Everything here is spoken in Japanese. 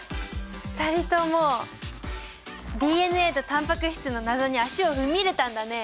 ２人ともＤＮＡとタンパク質の謎に足を踏み入れたんだね！